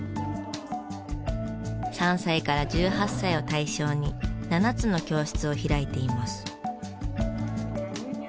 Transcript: ３歳から１８歳を対象に７つの教室を開いています。